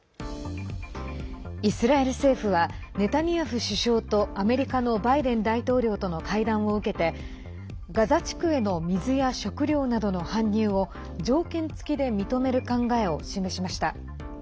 イスラエル政府はネタニヤフ首相とアメリカのバイデン大統領の会談を受けてガザ地区への水や食料などの搬入を条件付きで認める考えを示しました。